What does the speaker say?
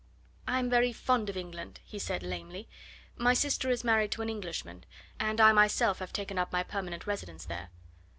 "I am very fond of England," he said lamely; "my sister is married to an Englishman, and I myself have taken up my permanent residence there."